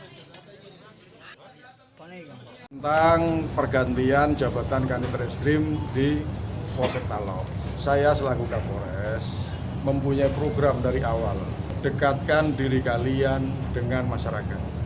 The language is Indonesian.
tentang pergantian jabatan kanit reskrim di pol sekta lo saya selaku kapol resk mempunyai program dari awal dekatkan diri kalian dengan masyarakat